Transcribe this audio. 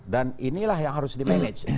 dan inilah yang harus di manage